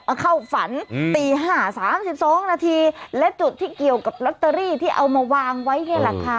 มาเข้าฝันตีหา๓๒นาทีและจุดที่เกี่ยวกับลอตเตอรี่ที่เอามาวางไว้ได้ล่ะค่ะ